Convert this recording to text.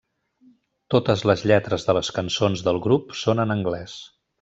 Totes les lletres de les cançons del grup són en anglès.